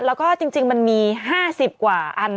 แล้วก็จริงมันมี๕๐กว่าอัน